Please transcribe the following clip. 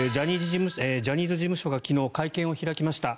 ジャニーズ事務所が昨日会見を開きました。